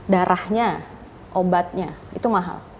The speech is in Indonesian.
darahnya obatnya itu mahal